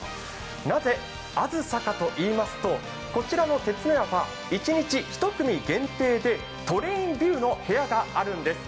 なぜ、あずさかといいますとこちらの鐵ノ家は一日１組限定でトレインビューの部屋があるんです。